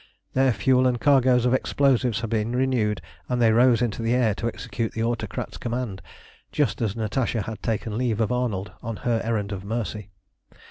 Their fuel and cargoes of explosives had been renewed, and they rose into the air to execute the Autocrat's command just as Natasha had taken leave of Arnold on her errand of mercy.